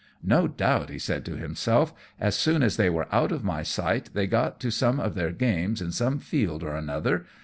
"No doubt," he said to himself, "as soon as they were out of my sight they got to some of their games in some field or another.